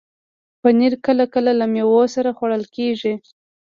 پنېر کله کله له میوو سره خوړل کېږي.